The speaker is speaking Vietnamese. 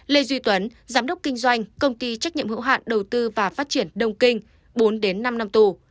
lê duy tuấn giám đốc kinh doanh công ty trách nhiệm hữu hạn đầu tư và phát triển đông kinh bốn đến năm năm tù